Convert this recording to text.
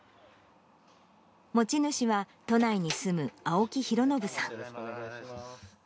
持ち主は都内に住む青木ひろのぶさん。